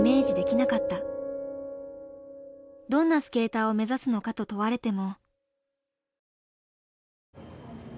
どんなスケーターを目指すのかと問われても。